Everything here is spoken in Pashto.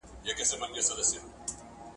بې ګټي فکرونه نه کېږي.